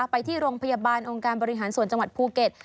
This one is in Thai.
ไปที่โรงพยาบาลองค์การบริหารส่วนจังหวัดภูเก็ต